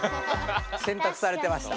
洗濯されてました。